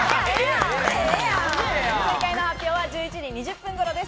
正解の発表は１１時２０分頃です。